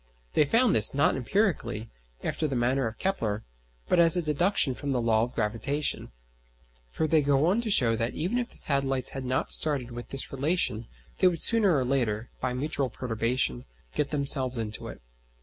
They found this, not empirically, after the manner of Kepler, but as a deduction from the law of gravitation; for they go on to show that even if the satellites had not started with this relation they would sooner or later, by mutual perturbation, get themselves into it.